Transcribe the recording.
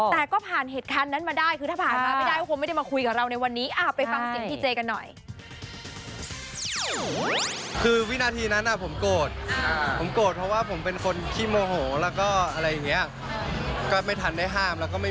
แต่ก็ผ่านเหตุทางนั้นมาได้คือถ้าผ่านมาไม่ได้ว่าผมไม่ได้มาคุยกับเราในวันนี้